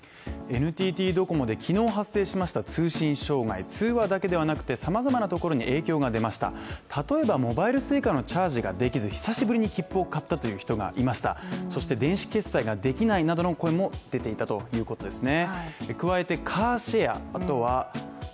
ＮＴＴドコモで昨日発生しました通信障害通話だけではなくて様々なところに影響が出ました、例えばモバイルＳｕｉｃａのチャージができず久しぶりに切符を買ったという人がいましたそして電子決済ができないなどの声も出ていたということですね